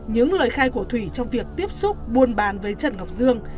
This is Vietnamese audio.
những lời khai của thủy trong việc tiếp xúc buôn bàn với trần ngọc dương